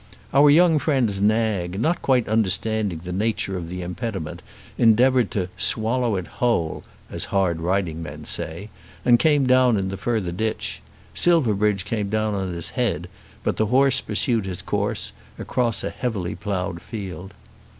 Our young friend's nag, not quite understanding the nature of the impediment, endeavoured to "swallow it whole," as hard riding men say, and came down in the further ditch. Silverbridge came down on his head, but the horse pursued his course, across a heavily ploughed field.